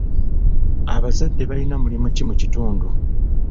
Abazadde balina mulimu ki mu kitundu?